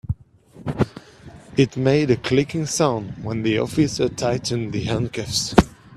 It made a clicking sound when the officer tightened the handcuffs.